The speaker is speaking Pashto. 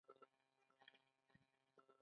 د موټر چک کول د اوږده سفر لپاره اړین دي.